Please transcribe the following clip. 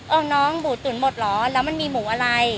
น้องหมูตุ๋นหมดเหรอแล้วมันมีหมูอะไร